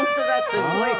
すごい。